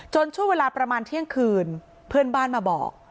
ช่วงเวลาประมาณเที่ยงคืนเพื่อนบ้านมาบอก